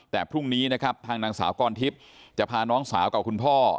แต่พรุ่งนี้นะครับทางนางสาวกรทิพย์จะพาน้องสาวกับคุณพ่อ